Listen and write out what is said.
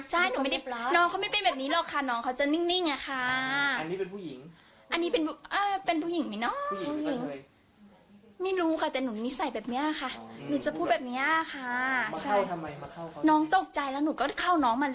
หนูจะพูดแบบนี้ค่ะใช่น้องตกใจแล้วหนูก็ได้เข้าน้องมาเลยค่ะ